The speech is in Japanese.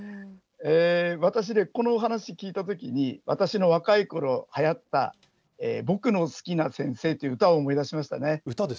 私ね、このお話聞いたときに、私の若いころ、はやったぼくのすきな先生という歌を思い出しましたね。